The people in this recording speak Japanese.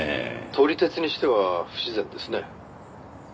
「撮り鉄にしては不自然ですね」